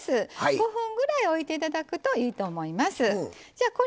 ５分ぐらい置いてもらうといいと思います。